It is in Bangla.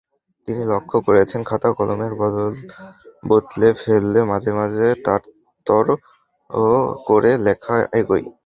তিনি লক্ষ করেছেন, খাতা-কলম বদলে ফেললে মাঝে-মাঝে তারতর করে লেখা এগোয়।